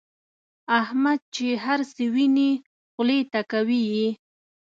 احمد چې هرڅه ویني خولې ته کوي یې.